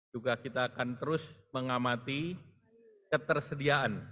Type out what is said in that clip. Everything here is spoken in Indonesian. juga kita akan terus mengamati ketersediaan